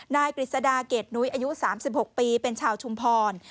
กฤษฎาเกรดนุ้ยอายุ๓๖ปีเป็นชาวชุมพร